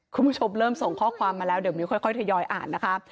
คุณผู้ชมเริ่มส่งข้อความมาแล้วเดี๋ยวมิ้วค่อยทยอยอ่านนะคะ